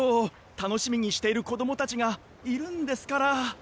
たのしみにしているこどもたちがいるんですから。